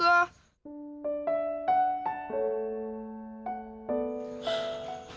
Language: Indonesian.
kamu denger kan kak